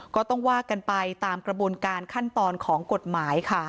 ก็ต้องว่ากันไปตามกระบวนการขั้นตอนของกฎหมายค่ะ